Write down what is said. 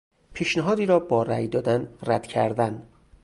پیشنهادی را با رای دادن رد کردن